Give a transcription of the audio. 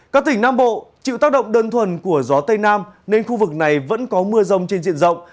các tỉnh nam bộ chịu tác động đơn thuần của gió tây nam nên khu vực này vẫn có mưa rông trên diện rộng